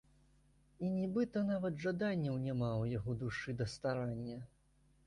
І нібыта нават жаданняў няма ў яго душы да старання.